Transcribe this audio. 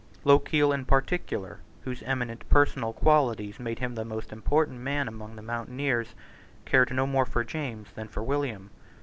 Lochiel in particular, whose eminent personal qualities made him the most important man among the mountaineers, cared no more for James than for William.